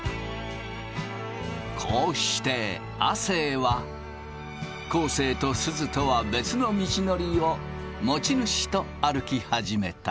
こうして亜生は昴生とすずとは別の道のりを持ち主と歩き始めた。